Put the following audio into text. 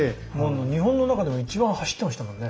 日本の中でも一番走ってましたもんね。